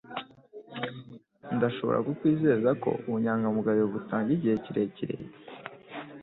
Ndashobora kukwizeza ko ubunyangamugayo butanga igihe kirekire